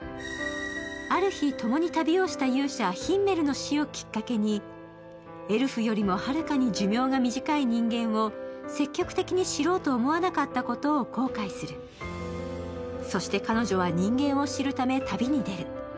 ある日、ともに旅をした勇者・ヒンメルの死をきっかけに、エルフよりも遥かに寿命が短い人間を積極的に知ろうと思わなかったことを後悔するそして彼女は人間を知るため旅に出る。